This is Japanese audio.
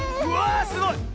うわすごい！